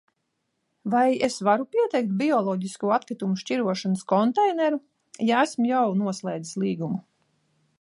Vai es varu pieteikt bioloģisko atkritumu šķirošanas konteineru, ja esmu jau noslēdzis līgumu?